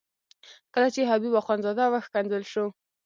کله چې حبیب اخندزاده وښکنځل شو.